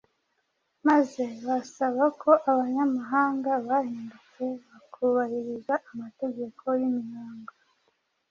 maze basaba ko abanyamahanga bahindutse bakubahiriza amategeko y’imihango.